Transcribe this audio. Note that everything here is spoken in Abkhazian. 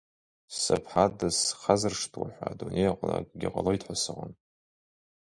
Сыԥҳа дысхазыршҭуа ҳәа адунеи аҟны акгьы ҟалоит ҳәа сыҟам.